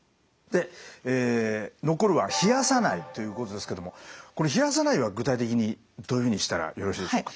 え残るは冷やさないということですけどもこれ冷やさないは具体的にどういうふうにしたらよろしいでしょうか。